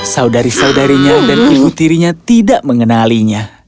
saudari saudarinya dan ibu tirinya tidak mengenalinya